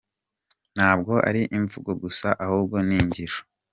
Ntabwo ari imivugo gusa ahubwo ningiro.